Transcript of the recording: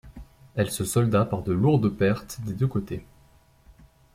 Elle se solda par de lourdes pertes des deux côtés.